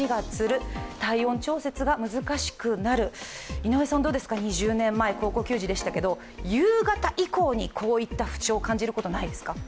井上さん、２０年前、高校球児でしたけど、夕方以降にこういった不調を感じることはないですか？